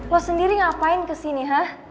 lo sendiri ngapain kesini ya